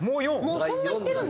もうそんないってるんだ？